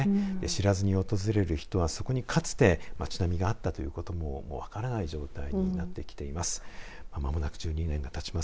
知らずに訪れる人はそこにかつて町並みがあったということも分からない状態になってきています。